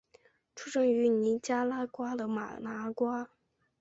出生于尼加拉瓜的马拿瓜。